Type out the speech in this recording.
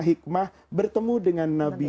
hikmah bertemu dengan nabi